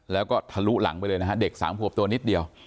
แล้วก็ทะลุหลังไปเลยนะฮะเด็กสามขวบตัวนิดเดียว